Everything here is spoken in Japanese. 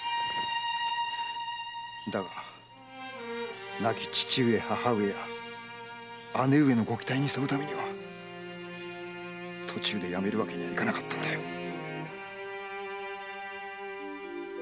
だが亡き父上母上や姉上のご期待に添うためには途中でやめるわけにはいかなかったんだよ。